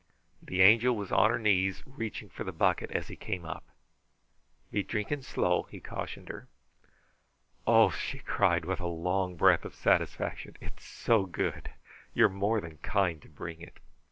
The Angel was on her knees, reaching for the bucket, as he came up. "Be drinking slow," he cautioned her. "Oh!" she cried, with a long breath of satisfaction. "It's so good! You are more than kind to bring it!"